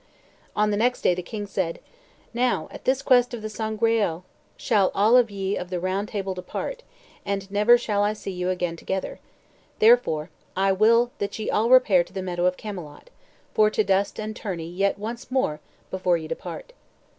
On the next day the king said, "Now, at this quest of the Sangreal shall all ye of the Round Table depart, and never shall I see you again altogether; therefore I will that ye all repair to the meadow of Camelot, for to just and tourney yet once more before ye depart."